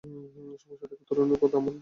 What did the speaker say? সমস্যা থেকে উত্তরণের পথ তার জানা আছে।